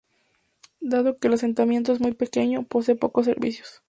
Dado que el asentamiento es muy pequeño, posee pocos servicios.